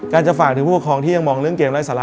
จะฝากถึงผู้ปกครองที่ยังมองเรื่องเกมไร้สาระ